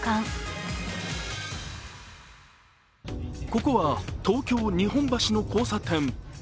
ここは東京・日本橋の交差点。